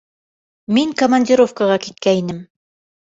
Мин командировкаға киткәйнем...